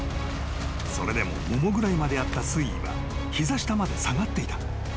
［それでもももぐらいまであった水位は膝下まで下がっていた］